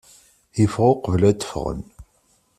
Yeffeɣ uqbel ad ffɣen.